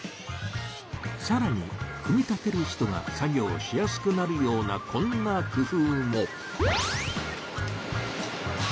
さらに組み立てる人が作業しやすくなるようなこんな工夫も！